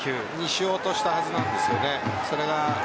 しようとしたはずなんですよね。